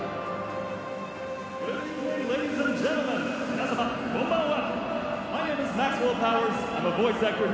皆様、こんばんは。